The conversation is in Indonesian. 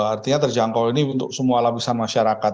artinya terjangkau ini untuk semua alam besar masyarakat